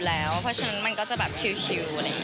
เพราะฉะนั้นมันก็จะแบบชิลอะไรอย่างนี้